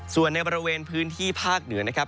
ส่วนในบริเวณพื้นที่ภาคเหนือนะครับ